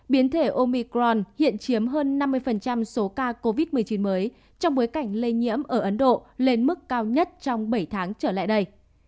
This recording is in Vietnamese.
biến thể omicron hiện chiếm hơn năm mươi số ca covid một mươi chín mới trong bối cảnh lây nhiễm ở ấn độ lên mức cao nhất trong bảy tháng trở lại đây